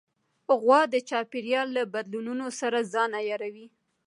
غوا د چاپېریال له بدلونونو سره ځان عیاروي.